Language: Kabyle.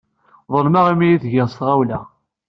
Ḍelmeɣ imi ay t-giɣ s tɣawla.